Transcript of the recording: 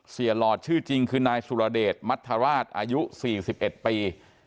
หลอดชื่อจริงคือนายสุรเดชมัธราชอายุ๔๑ปี